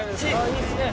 いいっすね